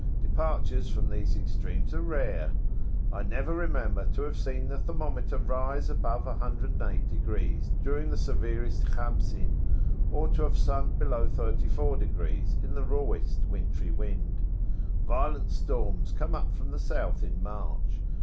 Departures from these extremes are rare. I never remember to have seen the thermometer rise above 108° during the severest Khamsin, or to have sunk below 34° in the rawest wintry wind. Violent storms come up from the south in March.